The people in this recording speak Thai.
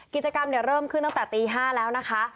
กิจกรรมเริ่มขึ้นตั้งแต่ตี๕แล้วนะคะ